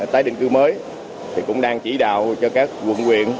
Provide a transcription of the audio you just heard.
tái định cư mới thì cũng đang chỉ đạo cho các quận quyện